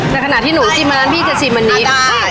แต่ขณะที่หนูชิมอันนั้นพี่จะชิมอันนี้